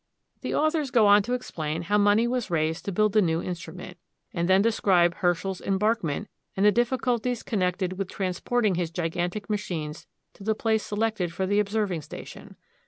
The authors go on to explain how money was raised to build the new instrument, and then describe Herschers embarkation and the difficulties connected with transporting his gigantic machines to the place selected for the observing station.